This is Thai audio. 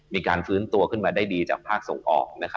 มีการฟื้นตัวขึ้นมาได้ดีจากภาคส่งออก